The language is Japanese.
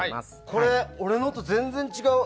これ、俺のと全然違う。